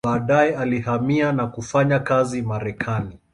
Baadaye alihamia na kufanya kazi Marekani.